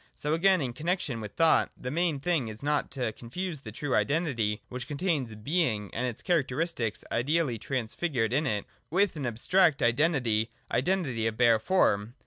So again, in connexion with thought, the main thing is not to confuse the true Identity, which contains Being and its characteristics ideally transfigured in it, with an abstract Identity, identity of bare form.